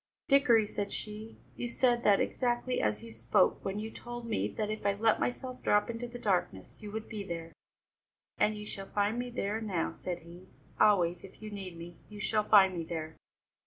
"Dickory," said she, "you said that exactly as you spoke when you told me that if I let myself drop into the darkness, you would be there." "And you shall find me there now," said he; "always, if you need me, you shall find me there!"